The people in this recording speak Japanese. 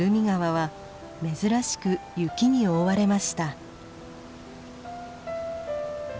川は珍しく雪に覆われました。